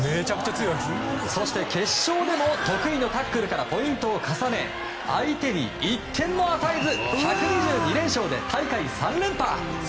決勝でも得意のタックルからポイントを重ね相手に１点も与えず１２２連勝で大会３連覇。